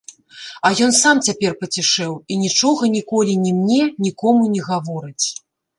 А ён сам цяпер пацішэў і нічога ніколі ні мне, ні кому не гаворыць.